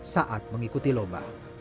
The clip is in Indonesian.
saat mengikuti lomba